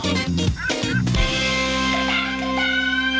โปรดติดตามตอนต่อไป